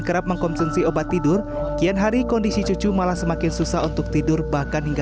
kerap mengkonsumsi obat tidur kian hari kondisi cucu malah semakin susah untuk tidur bahkan hingga